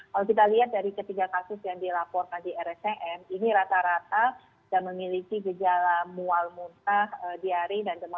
kalau kita lihat dari ketiga kasus yang dilaporkan di rsn ini rata rata dan memiliki gejala mual muntah diare